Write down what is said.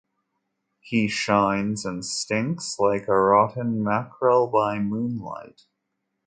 He shines and stinks, like a rotten mackerel by moonlight.